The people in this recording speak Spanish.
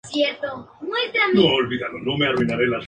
Luego, la distribución imita una distribución t- student estándar.